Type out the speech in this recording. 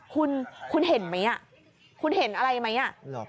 คุณคุณเห็นไหมคุณเห็นอะไรไหม